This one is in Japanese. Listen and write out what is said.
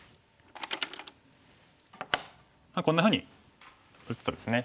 こんなふうに打つとですね